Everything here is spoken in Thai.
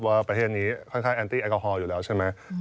ว่าประเทศนี้ค่อนข้างแอนตี้แอลกอฮอลอยู่แล้วใช่ไหม